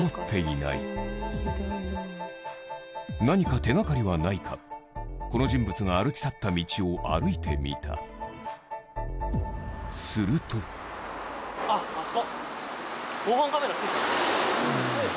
思い当たる節はないという何か手掛かりはないかこの人物が歩き去った道を歩いてみたするとあっあそこ。